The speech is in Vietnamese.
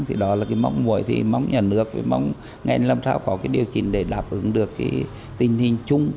thì đó là mong người mong nhà nước mong ngành làm sao có điều chỉnh để đáp ứng được tình hình chung